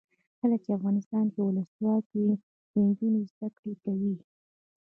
کله چې افغانستان کې ولسواکي وي نجونې زده کړې کوي.